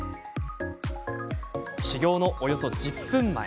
始業のおよそ１０分前。